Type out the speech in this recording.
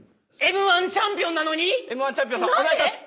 Ｍ−１チャンピオンさまお願いします。